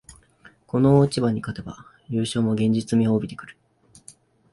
この大一番に勝てば優勝も現実味を帯びてくる